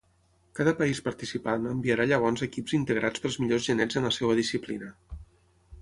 Cada país participant enviarà llavors equips integrats pels millors genets en la seva disciplina.